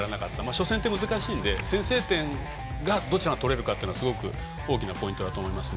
初戦って難しいので先制点をどちらが取るかがすごく大きなポイントだと思います。